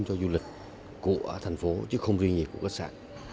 cho du lịch của thành phố chứ không riêng gì của khách sạn